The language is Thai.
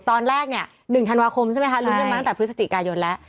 ตอนแรกเนี่ย๑ธันวาคมใช่ไหมคะลุ้นกันมาตั้งแต่พฤศจิกายนแล้ว